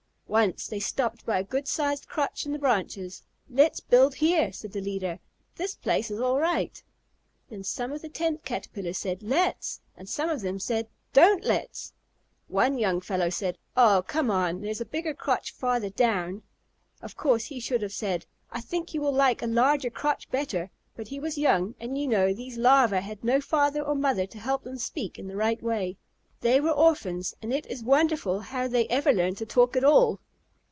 Once they stopped by a good sized crotch in the branches. "Let's build here," said the leader; "this place is all right." Then some of the Tent Caterpillars said, "Let's!" and some of them said, "Don't let's!" One young fellow said, "Aw, come on! There's a bigger crotch farther down." Of course he should have said, "I think you will like a larger crotch better," but he was young, and, you know, these Larvæ had no father or mother to help them speak in the right way. They were orphans, and it is wonderful how they ever learned to talk at all.